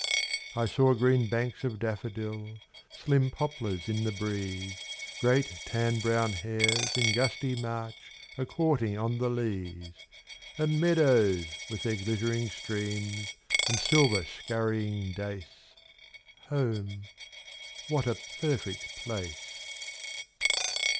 I saw green banks of daffodil, Slim poplars in the breeze, Great tan brown hares in gusty March A courting on the leas ; And meadows with their glittering streams, and silver scurrying dace, Home ... what a perfect place.